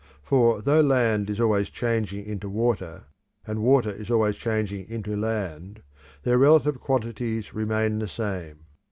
For though land is always changing into water, and water is always changing into land, their relative quantities remain the same.